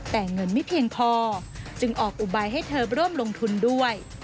แต่เงินไม่เพียงพอจึงออกอุบายให้เธอร่วมลงทุนด้วย